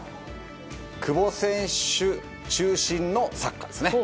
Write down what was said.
久保選手中心のサッカーですね。